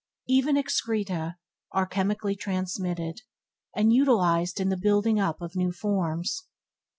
Even excreta are chemically transmitted, and utilized in the building up of new forms.